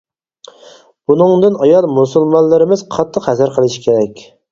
بۇنىڭدىن ئايال مۇسۇلمانلىرىمىز قاتتىق ھەزەر قىلىشى كېرەك.